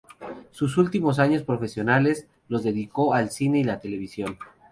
Sus últimos años profesionales los dedicó al cine y la televisión.